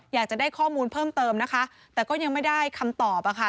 อยากจะได้ข้อมูลเพิ่มเติมนะคะแต่ก็ยังไม่ได้คำตอบอะค่ะ